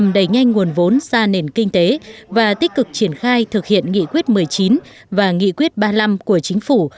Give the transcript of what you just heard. đẩy nhanh nguồn vốn ra nền kinh tế và tích cực triển khai thực hiện nghị quyết một mươi chín và nghị quyết ba mươi năm của chính phủ